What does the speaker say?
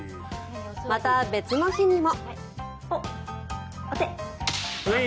また、別の日にも。